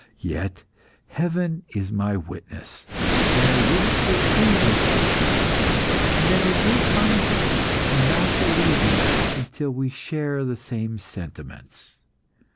Yet Heaven is my witness that I wish to agree with thee, and that it is my intention not to leave thee until we share the same sentiments.